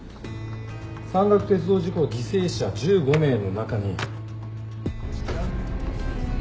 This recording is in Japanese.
山岳鉄道事故犠牲者１５名の中に。